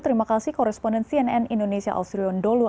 terima kasih koresponden cnn indonesia ausriun dholu